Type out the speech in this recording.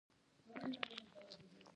ځمکه د افغانستان په طبیعت کې مهم رول لري.